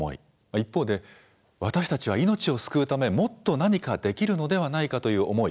一方で、私たちは命を救うためもっと何かできるのではないかという思い